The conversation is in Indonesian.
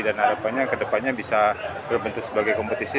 dan harapannya ke depannya bisa berbentuk sebagai kompetisi